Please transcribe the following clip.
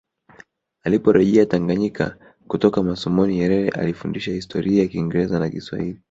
Aliporejea Tanganyika kutoka masomoni Nyerere alifundisha Historia Kingereza na Kiswahili